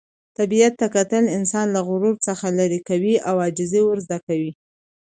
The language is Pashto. طبیعت ته کتل انسان له غرور څخه لیرې کوي او عاجزي ور زده کوي.